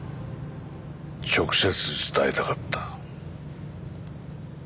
直接伝えたかった。